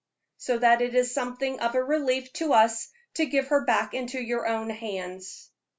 So that it is something of a relief to us to give her back into your own hands.